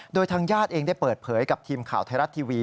โดยทางญาติเองได้เปิดเผยกับทีมข่าวไทยรัฐทีวี